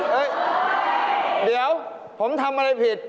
เดี๋ยวผมทำอะไรผิด